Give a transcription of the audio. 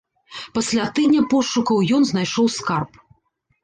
Пасля тыдня пошукаў ён знайшоў скарб.